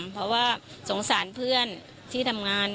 เพราะว่าสงสารเพื่อนที่ทำงาน